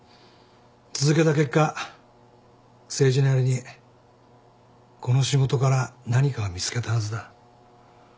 続けた結果誠治なりにこの仕事から何か見つけたはずだ。